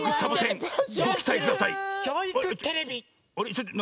ちょっと。